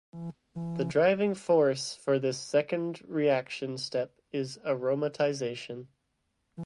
The driving force for this second reaction step is aromatization.